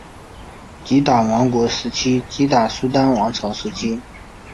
吉打王国时期吉打苏丹王朝时期